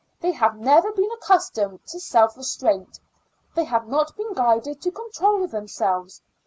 They have never been accustomed to self restraint; they have not been guided to control themselves.